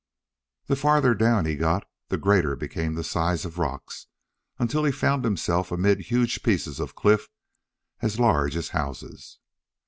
The farther down he got the greater became the size of rocks, until he found himself amid huge pieces of cliff as large as houses.